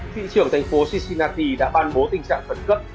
thị trưởng thành phố cissinati đã ban bố tình trạng khẩn cấp